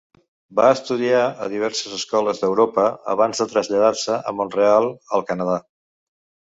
Va estudiar a diverses escoles d'Europa abans de traslladar-se a Montreal, al Canadà.